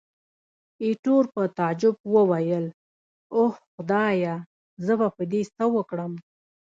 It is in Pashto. ایټور په تعجب وویل، اوه خدایه! زه به په دې څه وکړم.